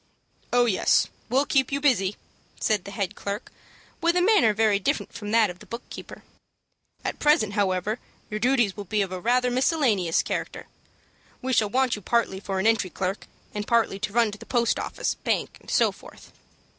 "Oh, yes, we'll keep you busy," said the head clerk, with a manner very different from that of the book keeper. "At present, however, your duties will be of rather a miscellaneous character. We shall want you partly for an entry clerk, and partly to run to the post office, bank, and so forth."